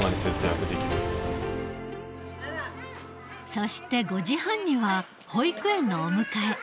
そして５時半には保育園のお迎え。